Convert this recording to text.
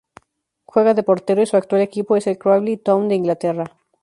Juega de portero y su actual equipo es el Crawley Town de Inglaterra.